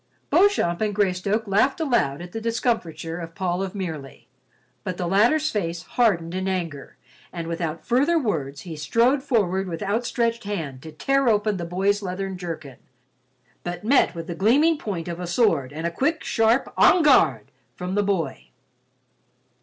Beauchamp and Greystoke laughed aloud at the discomfiture of Paul of Merely, but the latter's face hardened in anger, and without further words he strode forward with outstretched hand to tear open the boy's leathern jerkin, but met with the gleaming point of a sword and a quick sharp, "En garde!" from the boy.